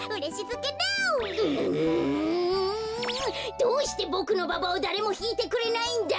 どうしてボクのババをだれもひいてくれないんだ！